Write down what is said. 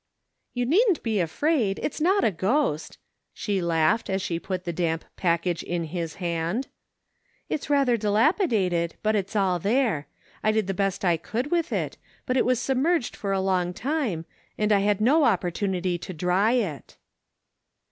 " You needn't be afraid, it's not a ghost," she laughed as she put the damp package in his hand. *' It's rather dilapidated, but it's all there. I did the best I could with it, but it was submerged for a long time, and 1 had no opportunity to dry it."